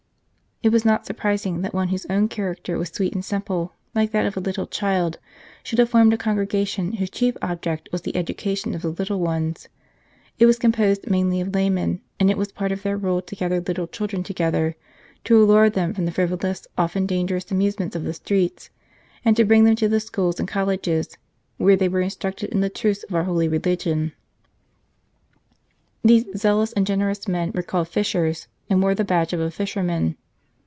It was not surprising that one whose own character was sweet and simple, like that of a little child, should have formed a Congregation whose chief object was the education of the little ones. It was composed mainly of laymen, and it was part of their rule to gather little children together, to allure them from the frivolous, often dangerous, amusements of the streets, and to 121 St. Charles Borromeo bring them to the schools and colleges, where they were instructed in the truths of our holy religion. These zealous and generous men were called Fishers, and wore the badge of a fisherman.